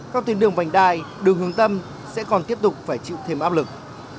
các tuyến đường vành đai đường hướng tâm sẽ còn tiếp tục phải chịu thêm áp lực